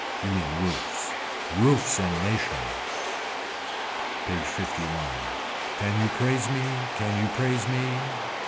You mean roofs. Roofs and nations. PAGE LI. Can you praise me. Can you praise me.